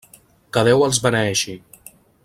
Que Déu els beneeixi!